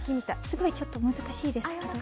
すごい、ちょっと難しいです。